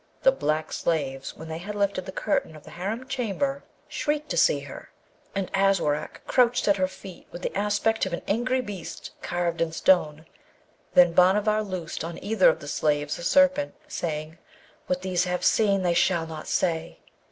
The black slaves, when they had lifted the curtain of the harem chamber, shrieked to see her, and Aswarak crouched at her feet with the aspect of an angry beast carved in stone. Then Bhanavar loosed on either of the slaves a serpent, saying, 'What these have seen they shall not say.'